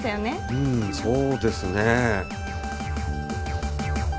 うんそうですねぇ。